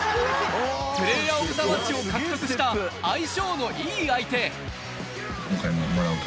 プレーヤー・オブ・ザ・マッチを獲得した相性のいい相手。